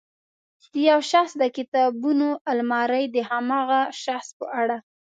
د یو شخص د کتابونو المارۍ د هماغه شخص په اړه.